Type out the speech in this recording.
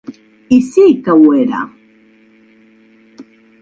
I sí que ho era.